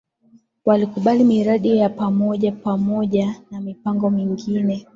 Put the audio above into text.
Walikubaliana miradi ya pamoja pamoja na mipango mingine